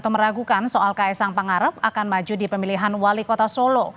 meragukan soal kaisang pangarep akan maju di pemilihan wali kota solo